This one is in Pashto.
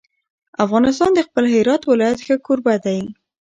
افغانستان د خپل هرات ولایت ښه کوربه دی.